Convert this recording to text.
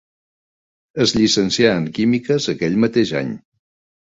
Es llicencià en químiques aquell mateix any.